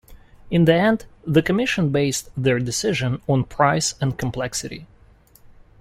In the end, the commission based their decision on price and complexity.